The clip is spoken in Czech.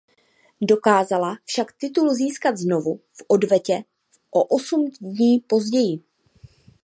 Dokázala však titul získat znovu v odvetě o osm dní později.